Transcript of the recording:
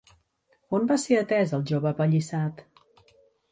On va ser atès el jove apallissat?